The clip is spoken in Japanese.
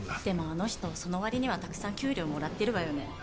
でもあの人そのわりにはたくさん給料もらってるわよね。